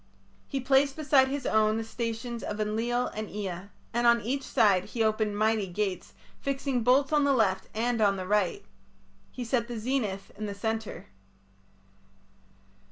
He placed beside his own the stations of Enlil and Ea, and on each side he opened mighty gates, fixing bolts on the left and on the right. He set the zenith in the centre.